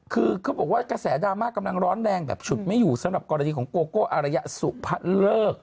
คือเขาบอกว่ากระแสดราม่ากำลังร้อนแรงแบบฉุดไม่อยู่สำหรับกรณีของโกโก้อารยสุพะเลิก